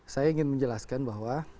saya ingin menjelaskan bahwa